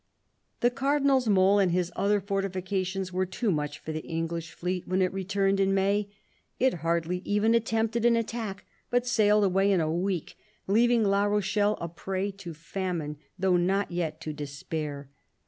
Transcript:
The Cardinal's mole and his other fortifications were too much for the English fleet when it returned in May : it hardly even attempted an attack, but sailed away in a week, leaving La Rochelle a prey to famine, though not yet to despair.